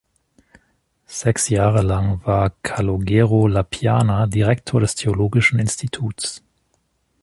Sechs Jahre lang war Calogero La Piana Direktor des Theologischen Instituts.